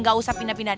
gak usah pindah pindah